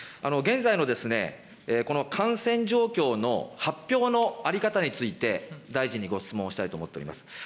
現在のこの感染状況の発表の在り方について、大臣にご質問をしたいと思っております。